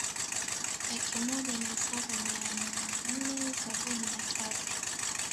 laki moja na saba mia nne sabini na tatu